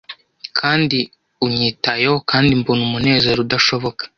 kandi unyitayeho kandi mbona umunezero udashoboka